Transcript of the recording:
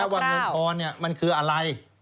ว่าเงินทอนมันคืออะไร